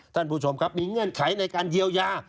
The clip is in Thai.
ท่านผู้ชมครับมีเงื่อนไขในการเยียวยา